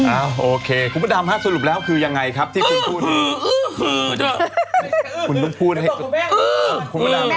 อ่าโอเคคุณพระดามห้าสรุปแล้วคือยังไงครับที่คุณพูดพูดให้อืม